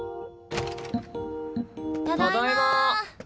ただいま！